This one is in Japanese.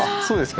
そう。